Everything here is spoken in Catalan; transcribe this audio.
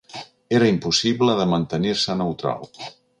Era impossible de mantenir-se neutral